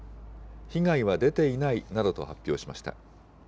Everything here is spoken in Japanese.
被害は出ていないなどと発表しました。